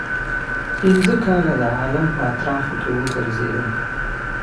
پنځه کاله د عالم په اطرافو کې وګرځېدم.